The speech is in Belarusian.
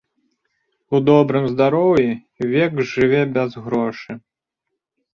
У добрым здароўі век зжыве без грошы!